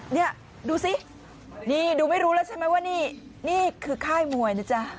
นี่ดูสินี่ดูไม่รู้แล้วใช่ไหมว่านี่นี่คือค่ายมวยนะจ๊ะ